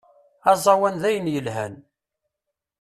Azawan dayen yelhan.